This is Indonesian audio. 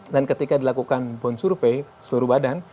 dan ketika dilakukan bone survey seluruh badan